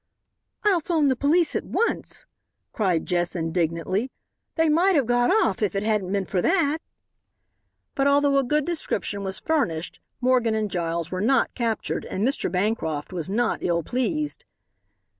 "I'll 'phone the police at once," cried Jess, indignantly. "They might have got off if it hadn't been for that." But although a good description was furnished, Morgan and Giles were not captured and Mr. Bancroft was not ill pleased.